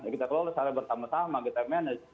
kita kelola secara bersama sama kita manage